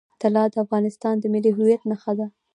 طلا د افغانستان د ملي هویت نښه ده.